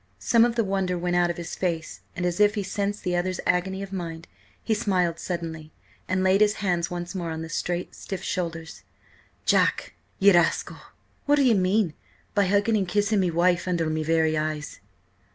Some of the wonder went out of his face, and, as if he sensed the other's agony of mind, he smiled suddenly and laid his hands once more on the straight, stiff shoulders. "Jack, ye rascal, what do ye mean by hugging and kissing me wife under me very eyes?"